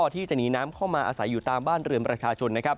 ที่จะหนีน้ำเข้ามาอาศัยอยู่ตามบ้านเรือนประชาชนนะครับ